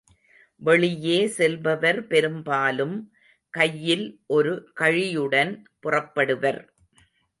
வெளியே செல்பவர் பெரும்பாலும், கையில் ஒரு கழியுடன் புறப்படுவர்.